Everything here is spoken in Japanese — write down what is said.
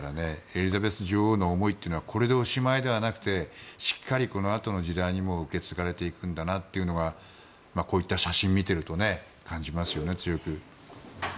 エリザベス女王の思いというのはこれでおしまいではなくてしっかりこのあとの時代にも受け継がれていくんだなというのはこういった写真を見ていると強く感じますよね。